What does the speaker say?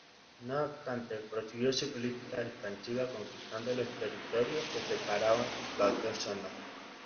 No obstante prosiguió su política expansiva conquistando los territorios que separaban las dos zonas.